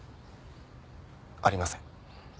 ありません。